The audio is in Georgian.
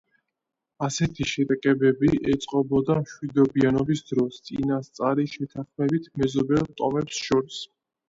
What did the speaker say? ასეთი შეტაკებები ეწყობოდა მშვიდობიანობის დროს წინასწარი შეთანხმებით მეზობელ ტომებს შორის.